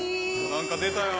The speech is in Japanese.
何か出たよ。